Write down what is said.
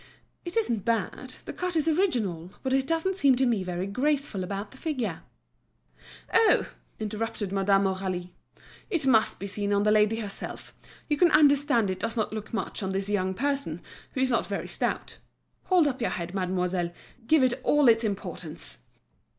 "It isn't bad, the cut is original, but it doesn't seem to me very graceful about the figure." "Oh!" interrupted Madame Aurélie, "it must be seen on the lady herself. You can understand it does not look much on this young person, who is not very stout. Hold up your head, mademoiselle, give it all its importance."